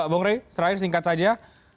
bong rey setelah ini singkat saja